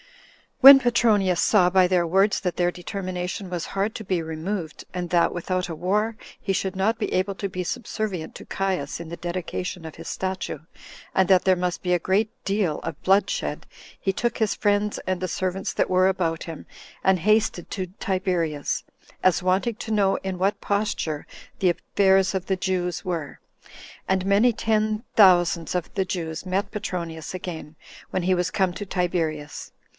3. When Petronius saw by their words that their determination was hard to be removed, and that, without a war, he should not be able to be subservient to Caius in the dedication of his statue, and that there must be a great deal of bloodshed, he took his friends, and the servants that were about him, and hasted to Tiberias, as wanting to know in what posture the affairs of the Jews were; and many ten thousands of the Jews met Petronius again, when he was come to Tiberias.